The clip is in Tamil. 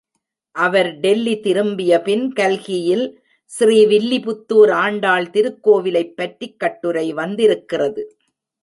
அவர் டெல்லி திரும்பியபின் கல்கியில் ஸ்ரீ வில்லிபுத்தூர் ஆண்டாள் திருக்கோவிலைப் பற்றிய கட்டுரை வந்திருக்கிறது.